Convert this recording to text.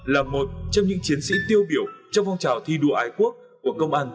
là một trong những chiến sĩ tiêu biểu trong phong trào thi đua ái quốc của công an